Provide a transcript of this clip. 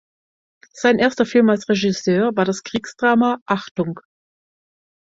Sein erster Film als Regisseur war das Kriegsdrama "Achtung!